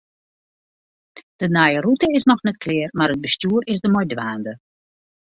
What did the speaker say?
De nije rûte is noch net klear, mar it bestjoer is der mei dwaande.